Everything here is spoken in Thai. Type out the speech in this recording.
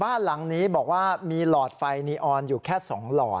บ้านหลังนี้บอกว่ามีหลอดไฟนีออนอยู่แค่๒หลอด